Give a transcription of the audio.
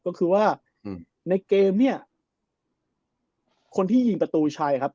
ก็คือว่าในเกมเนี่ยคนที่ยิงประตูชัยครับ